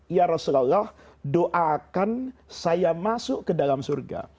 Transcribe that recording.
ya rasulullah doakan saya masuk ke dalam surga